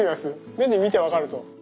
目で見て分かると。